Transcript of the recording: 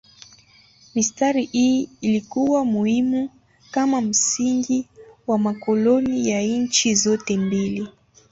Mistari hii ilikuwa muhimu kama msingi wa makoloni ya nchi zote mbili.